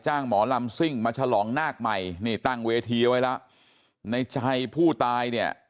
หมอลำซิ่งมาฉลองนาคใหม่นี่ตั้งเวทีไว้แล้วในใจผู้ตายเนี่ย